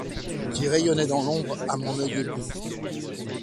Qui rayonnait dans l’ombre à mon oeil ébloui